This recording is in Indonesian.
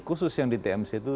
khusus yang di tmc itu